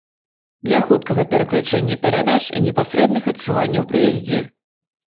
Для хуткага пераключэння перадач і непасрэдных адчуванняў пры яздзе.